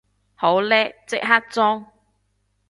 好叻，即刻裝